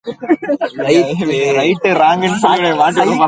The program also monitors all media coverage on the topic.